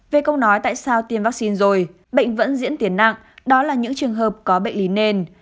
về câu nói tại sao tiêm vaccine rồi bệnh vẫn diễn tiến nặng đó là những trường hợp có bệnh lý nền